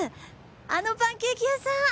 あのパンケーキ屋さん！